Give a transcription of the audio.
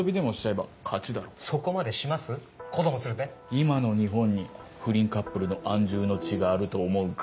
今の日本に不倫カップルの安住の地があると思うか？